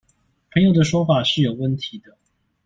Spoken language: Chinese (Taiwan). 朋友的說法是有問題的